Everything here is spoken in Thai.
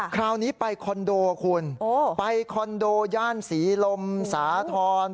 คราวนี้ไปคอนโดคุณไปคอนโดย่านศรีลมสาธรณ์